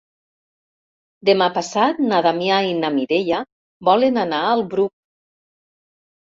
Demà passat na Damià i na Mireia volen anar al Bruc.